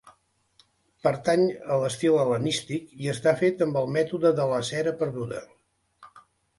Pertany a l'estil hel·lenístic i està fet amb el mètode de la cera perduda.